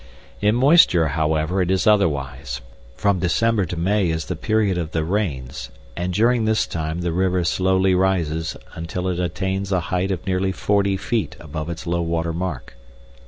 In moisture, however, it is otherwise; from December to May is the period of the rains, and during this time the river slowly rises until it attains a height of nearly forty feet above its low water mark.